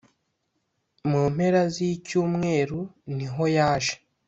Mumpera z’ icyumweru nihoyaje.